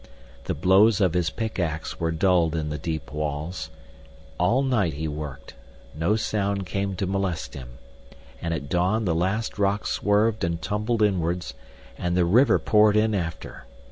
The blows of his pickaxe were dulled in the deep walls. All night he worked, no sound came to molest him, and at dawn the last rock swerved and tumbled inwards, and the river poured in after.